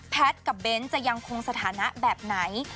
แพทย์กับเบนต์จะยังคงสถานะแบบไหน